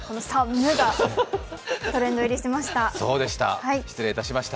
むがトレンド入りしました。